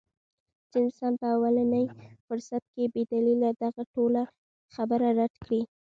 چې انسان پۀ اولني فرصت کښې بې دليله دغه ټوله خبره رد کړي -